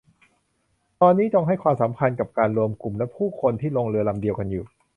ตอนนี้จงให้ความสำคัญกับการรวมกลุ่มและผู้คนที่ลงเรือลำเดียวกันอยู่